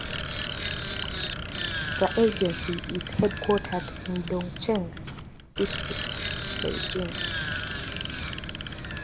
The agency is headquartered in Dongcheng District, Beijing.